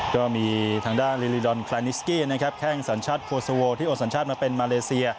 ก็มีทางด้านลิลลีดอนคลานิสกี้นะครับแข้งสัญชาติโคโซโวที่โอนสัญชาติมาเป็นมาเลเซีย